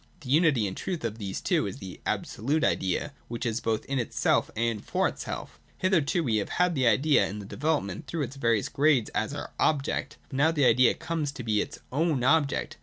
The unity and truth of these two is the Absolute Idea, which is both in itself and for itself Hitherto we have had the idea in development through its various grades as our object, but now the idea comes to be its own object.